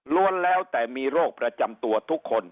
แล้วแต่มีโรคประจำตัวทุกคน